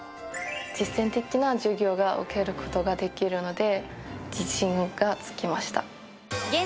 実践的な授業を受ける事ができるので自信がつきました。